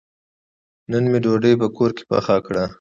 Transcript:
نن مې ډوډۍ په کور کې پخه کړه.